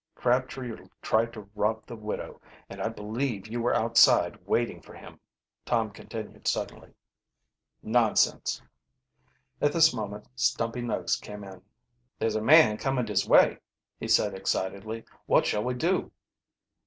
"Crabtree tried to rob the widow and I believe you were outside waiting for him," Tom continued suddenly. "Nonsense." At this moment Stumpy Nuggs came in. "There's a man comin' dis way!" he said excitedly, "Wot shall we do?"